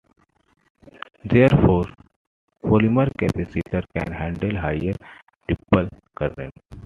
Therefore, polymer capacitors can handle higher ripple current.